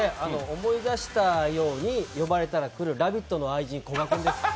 思い出したように呼ばれたら来る、「ラヴィット！」の愛人・こが君です